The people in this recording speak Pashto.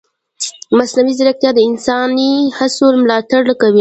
مصنوعي ځیرکتیا د انساني هڅو ملاتړ کوي.